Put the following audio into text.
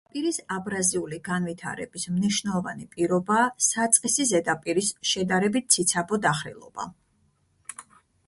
ნაპირის აბრაზიული განვითარების მნიშვნელოვანი პირობაა საწყისი ზედაპირის შედარებით ციცაბო დახრილობა.